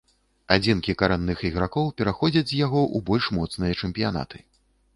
Адзінкі карэнных ігракоў пераходзяць з яго ў больш моцныя чэмпіянаты.